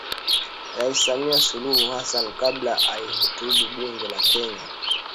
Rais Samia Suluhu Hassan kabla alihutubia Bunge la Kenya